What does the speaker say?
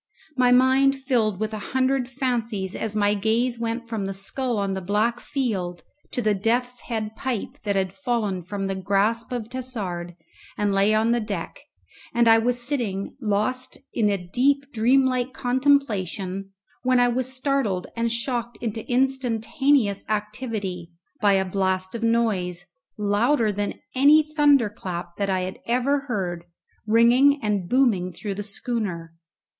My mind filled with a hundred fancies as my gaze went from the skull on the black field to the death's head pipe that had fallen from the grasp of Tassard and lay on the deck, and I was sitting lost in a deep dreamlike contemplation, when I was startled and shocked into instantaneous activity by a blast of noise, louder than any thunder clap that ever I heard, ringing and booming through the schooner.